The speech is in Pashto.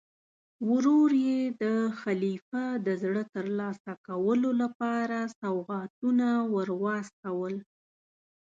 ورور یې د خلیفه د زړه ترلاسه کولو لپاره سوغاتونه ور واستول.